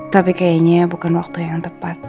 tapi kayaknya bukan waktu yang tepat